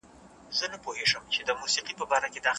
سختۍ ته مې د یوه داسې پړاو په سترګه کتل چې تېرېدونکی دی.